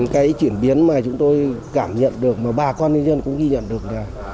cái chuyển biến mà chúng tôi cảm nhận được mà bà con nhân dân cũng ghi nhận được là